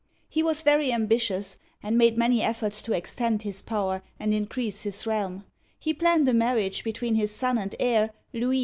He was very ambitious, and made many efforts to extend his power and increase his realm. He planned a marriage between his son and heir, Louis, Digitized by Google LOUIS VII.